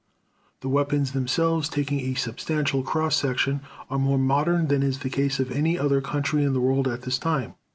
The weapons themselves, taking a substantial cross section, are more modern than is the case of any other country in the world at this time.